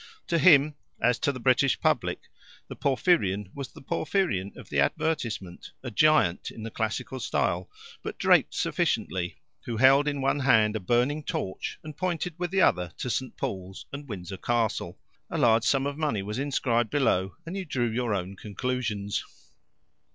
To him, as to the British public, the Porphyrion was the Porphyrion of the advertisement a giant, in the classical style, but draped sufficiently, who held in one hand a burning torch, and pointed with the other to St. Paul's and Windsor Castle. A large sum of money was inscribed below, and you drew your own conclusions.